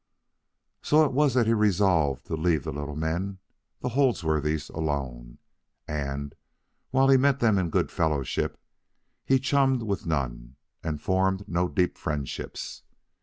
So it was that he resolved to leave the little men, the Holdsworthys, alone; and, while he met them in good fellowship, he chummed with none, and formed no deep friendships.